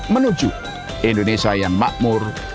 menuju indonesia yang makmur